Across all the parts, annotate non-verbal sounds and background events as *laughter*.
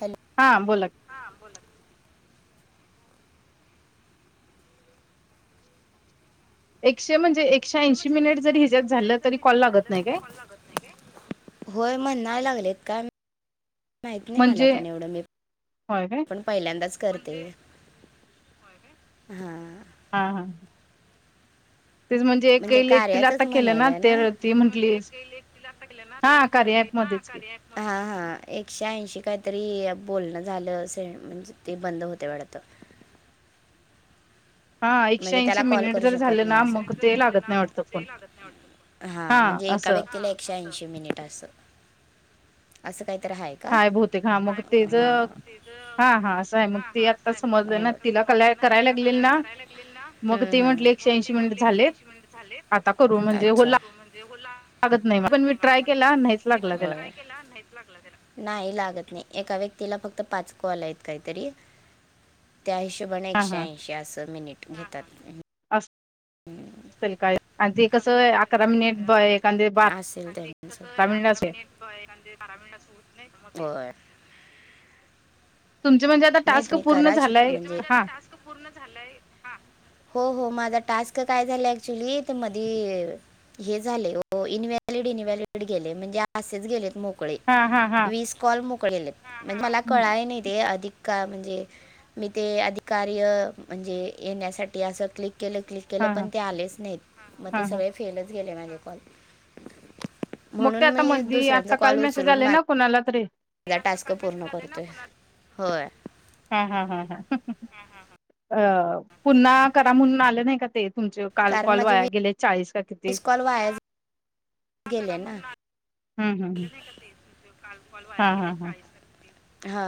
Hello हां बोला हा बोला एकशे म्हणजे एकशे ऐंशी मिनिट जरी हिच्यात झालं तरी कॉल लागत नाही काय होय म्हणायला लागलेत का माहित नाही मला म्हणजे पण एवढं मी होय काय पण पहिल्यांदाच करते हा हा हा तेच एक म्हणजे एकटीला कार्याचच आता केलं म्हणायलाय ते ना ती म्हंटली म्हणजे *inaudible* ना हा कार्या मुली ऍप हा मध्येच की कर *unintelligible* हा हा एकशे ऐंशी काहीतरी बोलणं झालं असे म्हणजे ते बंद होते वाडत हा एकशे म्हणजे त्याला ऐंशी कॉल मिनिट करू जर शकत झालं ना नाही मग जर ते झालं लागत ना नाही मग वाटतं फोन ते लागत नाही वाटतं हा म्हणजे एका व्यक्तीला एकशे ऐंशी मिनिट असं असं काहीतरी हाय हाय बहुतेक हा मग ते ज हा हा असं आहे मग ते आत्ता समजलं ना तिला कला समजलं ना करायला तिला लागलेल कलाय ना करायला लागलेल ना मग हम् ते म्हटले हम एकशे मग ते ऐंशी मिनिट म्हंटले एकशे झालेत ऐंशी मिनिट झाले आता करू म्हणजे हो अच्छा आत्ता करू हो ना लागत नाही म पण मी ट्राय केला नाहीच लागला त्याला तिला नाहीच लागला तिला नाहीच लग नाही लागत नाही एका व्यक्तीला फक्त पाच कॉल आहेत काहीतरी त्या हिशोबाने हा एकशे ऐंशी असं मिनिट घेतात अस ह *inaudible* ल काय आणि ते कसं अकरा मिनिट एकांद बारा मिनिट असे वय एखाद बारा बारा मिनिट असे होत नाही होय तुमचे म्हणजे आता नाही टास्क तुम्ही पूर्ण करा शिक झालाय म्हणजे हा टास्क पूर्ण झालाय हा हो हो माझा टास्क काय झाला ऍक्च्युली तर मधी हे झाले इनव्हॅलिड इनव्हलिड गेले म्हणजे असेच गेलेत कळे हा हा हा विस कॉल मोकळे गेलेत म्हणजे मला कळालं नाही ते आधी का म्हणजे मी ते अधि कार्य म्हणजे येण्यासाठी असं क्लिक केलं क्लिक केलं हा पण हा ते आलेच नाहीत मग ते हा हा सगळे फेलच गेले माझे कॉल मग ते म्हणून आता मी मधी दुसऱ्यांचा आता काल मेसेज आले ना कोणाला तरी या टास्क पूर्ण करतोय होय हा हा ह अ पुन्हा करा म्हणून आले नाही का ते तुमचे काल कारण कॉल माझे वाया वीस गेले चाळीस का किती गेले ना हम्म हम्म काल कॉल हा वाया हा गेले हा चाळीस का किती हा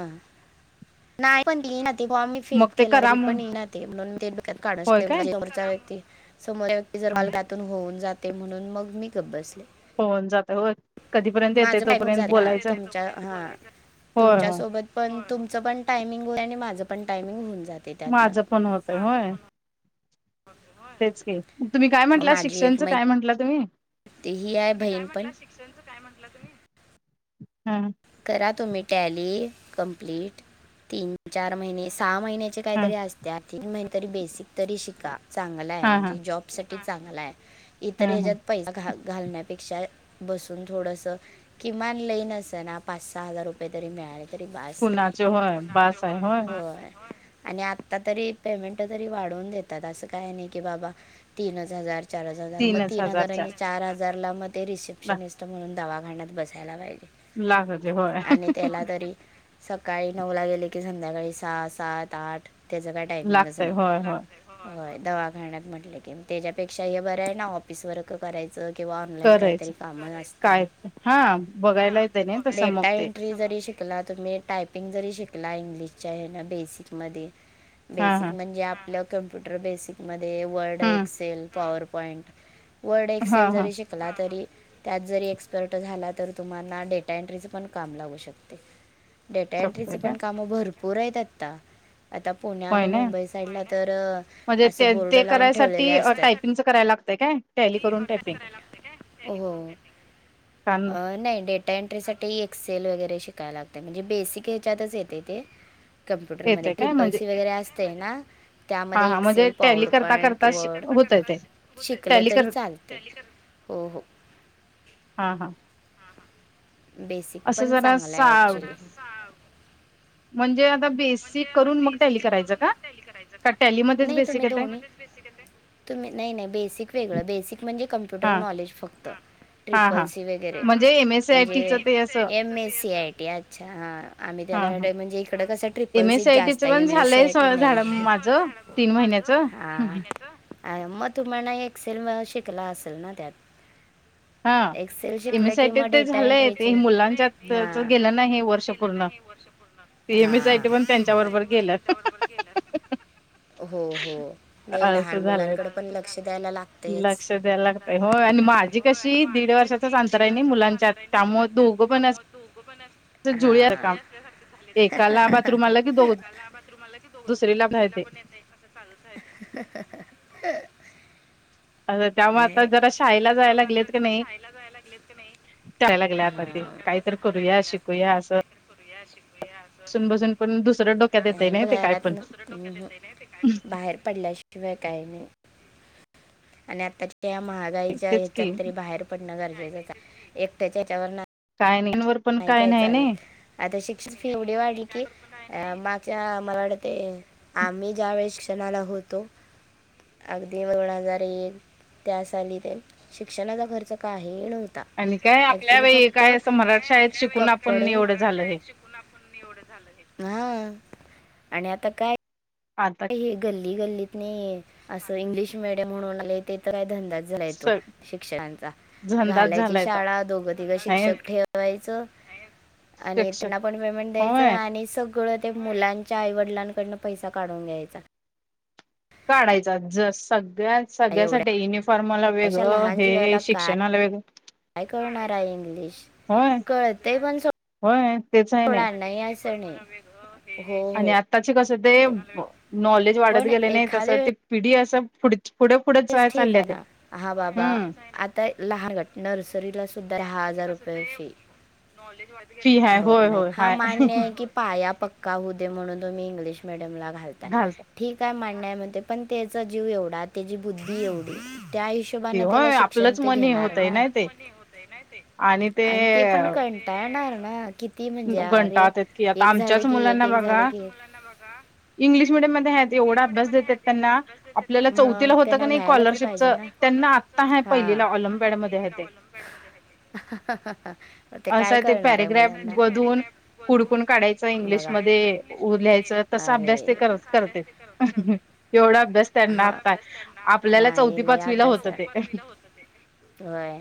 नाही पण बी ना बॉ मग फ्लिप ते करा केल्यावर म्हण पण ईना ते म्हणून ते डोक्यात काढ होय काय समोरच्या व्यक्ती समोरच्या जर पालकतून होऊन जातंय म्हणून मग मी गप बसले होऊन जात होय कधीपर्यंत येते माझं मागून तोपर्यंत जाणार बोलायचं तुमच्या हा होय होय तुमच्यासोबत पण तुमचं पण टायमिंग आणि माझं पण टायमिंग होऊन जात माझं पण होतय होय तेच की तुम्ही काय म्हटला शिक्षणचं काय म्हंटला तुम्ही ती ही आहे बहीण पण शिक्षणचं काय म्हंटला तुमी? हम् करा तुम्ही टॅली कंप्लीट तीन चार महिने सहा महिन्याची ह काहीतरी असत्या तीन महिने तरी बेसिक तरी शिका चांगल हाय हा हा म्हणजे जॉब साठी चांगल हाय ह इतर ह ह्याच्यात पैसा घा घालण्यापेक्षा बसून थोडंसं किमान लई नसणा पाच सहा हजार रुपये तरी मिळाले तरी बास कुणाचे होय बास आहे हाय होय आणि आत्ता तरी पेमेंट तरी वाढवून देतात असं काय नाही की बाबा तीनच हजार चारच हजार मग तीनच तीन हजार हजारच्या आणि चार हजारला मग ते ला रिसेप्शनिस्ट म्हणून दवाखान्यात बसायला पाहिजे लाखजे होय आणि त्याला तरी सकाळी नऊ ला गेले की संध्याकाळी सहा सात आठ त्याच काय टायमिंगच लागतय नाही. होय होय होय दवाखाण्यात म्हटलं की त्याच्यापेक्षा हे बरं आहे ना ऑफिस वर्क करायच. च किंवा ऑनलाईन काहीतरी करायचं कामं काय असतात हा हा बघायला येते नाही तसं डे मग ते री जरी शिकला तुम्ही टायपिंग जरी शिकला इंग्लिशच्या हेन बेसिक मध्ये हा हा बेसिक म्हणजे आपल्या कम्प्युटर बेसिकमध्ये वर्ड हम्म एक्सेल पॉवर पॉईंट वर्ड हा एक्सेल हा जरी शिकला तरी त्यात जरी एक्सपर्ट झाला तर तुम्हाणा डेटा एंट्रीच पण काम लागू शकतय डेटा शकतोय एंट्रीचे का पण काम भरपूर आहेत आता आता पुण्या होय आणि ना मुंबई साईडला तर म्हणजे असं ते बोर्ड ते लावून ठेवलेले करायसाठी असत्यात टायपिंगच करायला लागतंय काय टॅली करून टायपिंग हो हो कान अ नाही डेट डेटा एंट्रीसाठी एक्सेल वगैरे शिकायला लागतय म्हणजे बेसिक ह्याच्यातच येतय ते कम्प्युटरमध्ये येते काय ट्रिपल म्हणजे सी वगैरे असतय ना हा त्यामध्ये हा म्हणजे एक्सेल, टॅली पॉवर करता पॉइंट, करता वर्ड होतय ते शिकलं टॅली तरी कर चालते हो हो हा हा बेसिक असं पण जरा चांगला आहे सा ऍक्चुली म्हणजे आता म्हणजे बेसिक आता करून मग टॅली बेसिक करायचं करून का? मग टॅली करायचं का टॅलीमध्येच नाही बेसिक तुम्ही येतय? दोनी म्हणजे बेसिक येतय तुम्ही नाही नाही बेसिक वेगळं बेसिक म्हणजे कम्प्युटर हा नॉलेज फक्त हा ट्रीपल हा सी वगैरे म्हणजे एम एस सी आय म्हणजे टीचं ते असं M S C I T अच्छा हा आम्ही हा त्याला हा म्हणजे इकडं कसं ट्रिप पल एम एस सी सीचं आय जास्त टीचं आहे पण एम एस सी झालंय आय टी झाड नाही माझं तीन महिन्याचं हा अ मग तुम्हाला एक्सल शिकला असेल ना त्यात हा एक्सेल एम शिकला एस सी आय कि टी मग ते डेटा झालंय एंट्रीचे ते हा मुलांच्यात गेलं ना हे वर्ष पूर्ण वर्षपूर्ण M S C I T पण त्यांच्या बरोबर तेनी पण गेलं. त्यांच्या बरोबर गेल्यात हो हो नाही लहान असं झालंय मुलांकड पण लक्ष द्यायला लागतच लक्ष द्यायला लागतय होय आणि माझी कशी दीड वर्षाचच अंतरा आहे नाही मुलांच्या त्यामु दोघं पण असं जुळी काम एकाला हा बाथरूम आला की दो बाथरूमला की दोघ दुसरीला पण येतय ह् ह् अ त्यामुळे आता जरा शाळेला जायला त्यामुळे आता जरा शाळेला जायला लागलेत कणी. करायला लागल्यात आता ते काही तरी करूया शिकूया अस बसून बसून पण दुसरं डोक्यात येतय नाही बाई ते काय पण घरातंन बाहेर पडल्याशिवाय काय नाही. आणि आताच्या या महागाईच्या तेच ह्याच्यात की तरी बाहेर पडणं गरजेचंच एकट्या हच्यावर काय नाही पण नाही काय नाही चालत आता शिक्षित फी एवढी वाढली की अ मागझ मला वाटते आम्ही ज्या वेळी शिक्षणाला होतो अगदी दोन हजार एक त्या साली ते शिक्षणाचा खर्च काही नव्हता आणि काय आपल्या ॲक्च्युली फक्त काय असं मराठ शाळेत शिकून आपण एवढं झाल हे व आता काय आता ते गल्ली गल्लीतंनी असं इंग्लिश मीडियम म्हणून आलंय ते तर काय धंदा झाल्यात तो शिक्षकांचा झंदाच घालायची झालाय तो शाळा दोघं तिघं नाही शिक्षक ठेवायं करायचं आणि त्यांना शिक्षक पण पेमेंट द्यायच होय आणि सगळ ते मुलांन क च्या आईवडिलां कडनं पैसा काढून घ्यायचा. काढायचा ज सगळ्या एवढ्या सगळ्यासाठी युनिफॉर्माला अशा वेगळं लहान हे जीवाला काय शिक्षणाला वेगळं काय कळणार आहे इंग्लिश होय कळतेय पण सोड‍ होय तेच आहे होणार नाही असं नाही हो आणि हो आत्ताचे कसं ते नॉलेज वाढत पण गेलेय ने तसं एखाद्या ते पिढी असं पुढ पुढे पुढे तेच ठीक चालल्या आहे ते ना हा बाबा हम्म आता तर लहानट नर्सरी ला सुद्धा दहा हजार रुपयाची फी हाय हो होय नाही होय हा हाय मान्य की पाया पक्का होऊदे म्हणून तुम्ही इंग्लिश मिडियमला घालताय घाल ठीक काय मान्य आहं म्हणतोय पण त्या जीव एवढा त्याची बुद्धी एवढी त्यांच्या ते हिशोबाने होय शिक्षण आपलंच तर मनी घेणार होतय ना नाही ते आणि ते पण कटिनीवं टायणार ना किती म्हणजे अरे घंटाळतात की आता एक झाले आमच्याच की एक मुलांना एक झाले बघा की आता बघा इंग्लिश मिडयम मध्ये येवढा अभ्यास देतात त्यांना आपल्या ला चौथीला होतं कणी स्कॉलरशिप चं त्यांना आत आता आहं पहिलीला ऑलम्पेड मध्ये हाय ते ह् हा ते काय कळणार आहे मुलांना मग धुवून हुडकून काढायचं इंग्लिश मध्ये ऊ लिहायचं तसं अभ्यास ते करतयं. एवढा अभ्यास त्यांना हा काय आपल्याला नाही चौथी लई पाचवीला अभ्यास होतं ते आहं होय.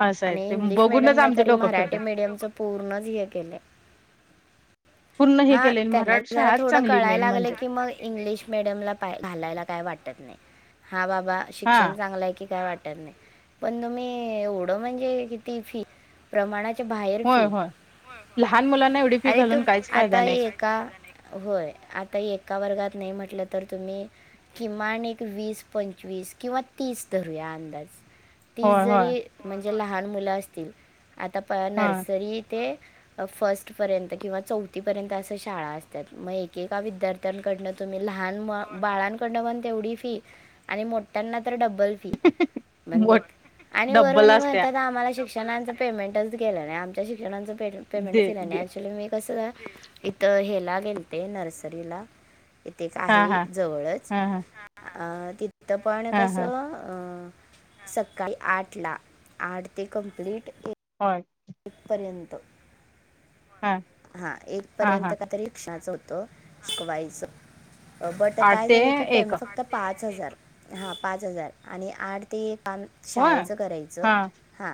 असं आहे आणि ते इंग्लिश बघूनच मिडियमने आमचं तरी डोकं मराठी फिरतय मिडियमच पूर्णच हे केलंय. पूर्ण हे हा केले त्यांना मराठी जरा शाळाच थोडं चांगली कळायला मेन लागलं म्हणजे की मग इंग्लिश मिडियमला घालायला काय वाटत नाही हा बाबा हा शिक्षण चांगलंय की काय वाटत नाही. पण तुम्ही एवढं म्हणजे किती फी प्रमाणाच्या बाहेर होय फी होय लहान मुलांना एवढी फी अरे तू घालून काहीच फायदा आता नाही एक का होय आता एका वर्गात नाही म्हटलं तर तुम्ही किमान एक वीस पंचवीस किंवा तीस धरूया अंदाज तीस होय होय जरी म्हणजे लहान मुलं असतील आता पहा ह नर्सरी ते फर्स्ट पर्यंत किंवा चौथीपर्यंत असं शाळा असतात मग एकेका विद्यार्थी तण कडनं तुम्ही लहान बाळांकडनं पण तेवढी फी आणि मोठ्यांना तर डबल फी म्हणजे मोठ आणि वर डब्बल असत्या म्हणतात आम्हाला शिक्षणाचं पेमेंटच गेलं नाही आ त्या शिक्षणाचं पेमेंटचं दे केलं घे. नाही ऍक्च्युली मी कसं इथं हेला गेलते नर्सरीला इथे एक हा आहे हा जवळच हा हा अ तिथं पण हा हा कसं अ सकाळी आठला आठ ते कंप्लीट होय एक पर्यंत हा हा एक हा पर्यंत हा का तर रिक्षाचं होतं. नको बाई तसं वट आठ काय ते झालं की एक पेमेंट फक्त पाच हजार हा पाच हजार आणि आठ ते एक काम होय शाळेचं करायचं हा हा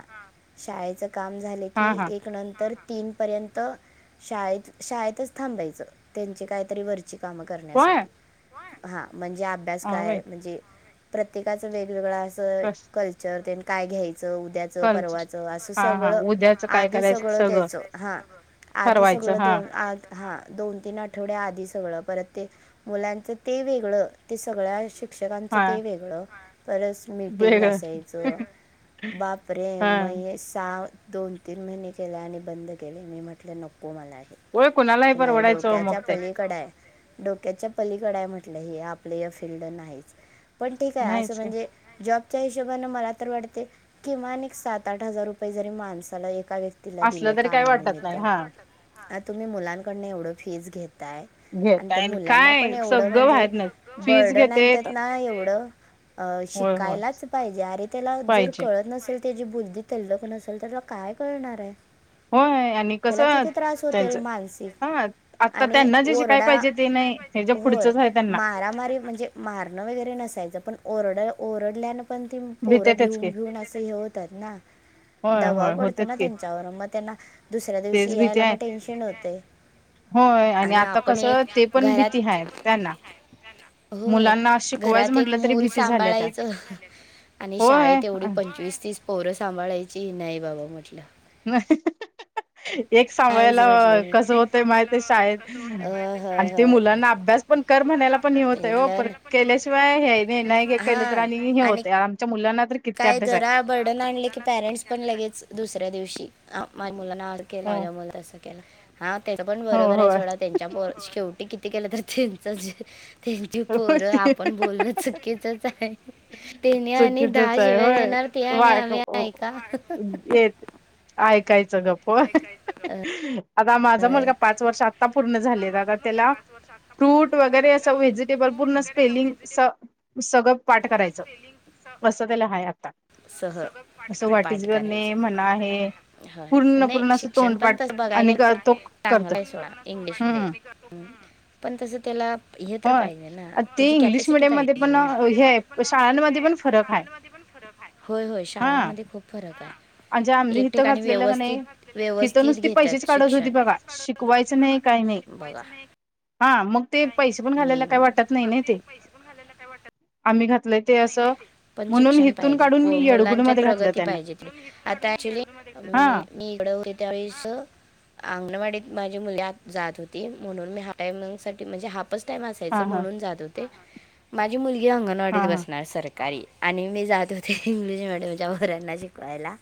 शाळेचं काम झाले हा की हा एक नंतर तीन पर्यंत शाळेत शाळेतच थांबायचं त्यांचे काहीतरी वर काम होय करण्यासाठी हा म्हणजे अभ्यास काय होय आहे म्हणजे प्रत्येकाचं वेगवेगळं असं कस कल्चर तेण काय घ्यायचं उद्या उदयाच कलच परवाचं असं हा हा सगळं उद्याच काय आधी करायचं सगळं त्याच हा आधी ठरवायचं सगळं हा दोन आ हा दोन तीन आठवड्या आधी सगळं परत ते मुलांचं ते वेगळं ते सगळ्या शिक्षकांचं हा ते वेगळं परत मिटींग वेगळं असायचं बाप रे हा मग सव दोन तीन महिने केले आणि बंद केले मी म्हटले नको मला आहे. होय कुणालाही हे माझ्या परवडायचं मग डोक्याच्या ते पलीकड आहे. डोक्याच्या पलीकड आहे म्हटलं हे आपलं या फिल्ड नाहीच पण ठीक आहे असं नाहीच का म्हणजे जॉबच्या हिशोबाने मला तर वाटते किमान एक सात आठ हजार रुपये जरी माणसाला एका व्यक्ती तिला दिलं असलं तरी काय वाटत कामानिमित नाही हा आ तुम्ही मुलांकडन एवढं फीज घेताय आणि ते घेताय मुलांना पण काय एवढं सगळं म्हणजे बाहेर नाही फीज बर्डन घेते आणता ना एवढं अ होय होय शिकायलाच पाहिजे अरे त्याला जर पाहिजे कळतं नसेल त्याची बुद्धी तल्लकण नसेल तर काय करणार आहे. होय आणि त्याला कसं किती त्रास होतील त्यांचं हा मानसिक आता आणि त्यांना जे शिकाय ओरडा पाहिजे ते नाही हे जे होय पुढचंच आहे त्यांना मारामारी म्हणजे मारणं वगैरे नसायचं पण ओरड ओरडल्यान पण ती पोरं भीतेतच की भिऊून भिऊन अस हे होतात ना होय दबा होय पडतो होतेच ना की त्यांच्यावर मग त्यांना दुसऱ्या दिवशी तेच भीती यायला आहे मग टेन्शन होतय होय आणि आता आपण कसं एक ते पण भीती घरात आहे त्यांना होय मुलांना शिकवायचं घरात एक म्हटलं तरी मूल भीती झाल्या त्या सांभाळायचं आणि होय शाळेत एवढी पंचवीस तीस पोरं सांभाळायची नाही बाबा म्हटलं. नाही एक नाहीच सांगयला म्हटलं मी कस होतय माहितय शाळेत होय आणि होय ते होय मुलांना अभ्यास पण कर म्हणायला पण हे होतय पेरलं हो पण केल्याशिवाय हे नाही नाही केलं तर आणि हे होत मुलांना तरी किती काय अभ्यास आहे जरा बर्डन आणले की पॅरेंट्स पण लगेच दुसऱ्या दिवशी माझ्या मुलांना त हो केला हा त्या पण हो बरोबर आहे होय सोडा शेवटी किती केलं तर त्यांच त्यांची पोरं आपण बोलणं चुकीचच आहे त्यानी आणि दहा य शिव्या होय देणार ते आणि वाय आम्ही ऐका येत. ऐकायचं गप्, आता माझा मुलगा अं, पाच वर्ष आता पुर्ण झालाय आता तेला फ्रुट वगैरे असं वेजीटेबल पुर्ण स्पेलींग स सगळं पाठ करायचं असं त्याला हाय आता. असं वाट इज पाठ युअर करायचं. नेम म्हणा हे ह पूर्ण नाही पूर्ण असं शिक्षण पण तस तोंडपाठ बघाय आणि गेल तर तो चांगलं करतो आहे सोडा इंग्लिश हम्म म पण तस त्याला हे तर होय पाहिजे ना ते त्याची इंग्लिश कॅपॅसिटी मिडियम मध्ये पाहिजे. हो पण हे शाळांमध्ये पण फरक आहे. होय होय हा शाळांमध्ये खूप फरक आहे. म्हणजे आम्ही एक हिथं ठिकाणी घातलेलं का व्यवस्थित, नाही हिथं व्यवस्थित नुसती पैसेच घेतात काढत होती शिक्षण. बघा शिकवायचं नाही काही नाही बगा. हा मग ते पैसे पण घालायला काही वाटत नाही न ते. *inaudible* आम्ही घातलंय ते असं पण म्हणून शिक्षण हिथून पाहिजे काढून प- मुलांच्या येडगुडमध्ये घातलं प्रगती त्यांना. पाहिजे आता ऍक्च्युली हा मी, मी इकड होते त्यावेस. अंगणवाडीत माझी मुलीत जात होती म्हणून मी हाफ टायमिंगसाठीठी म्हणजे हा टाइम असायच हा हा म्हणून जात होते माझी मुलगी हा अंगणवाडीत हा बस. सरकारी आणि मी जात होते इंग्लिश मीडियमच्या पोऱ्यांना शिकवायला.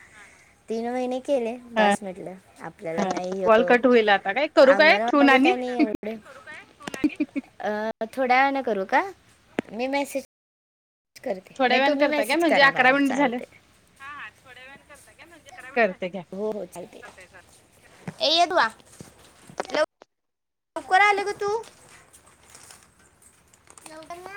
तीन महिने केले बास म्हटलं आपल्याला नाही कॉल होत, कट होईल आता काय करू काय ठेवून अंगणवाडीत आणि एढ आ थोड्याे करू का? मी मे करते थोड्या नाही वेळाने तुम्ही करता काय मेसेज म्हणजे करा अकरा मला मिनिट झालं चालते. हा थोड्या करते घ्या वेळ हो हो चालते तु. खूप करा आले ग तू. *unintelligible*